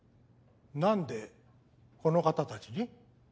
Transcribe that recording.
何でこの方たちに？